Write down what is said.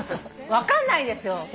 分かんないですよ。